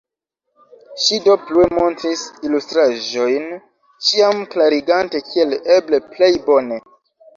Ŝi do plue montris ilustraĵojn, ĉiam klarigante kiel eble plej bone.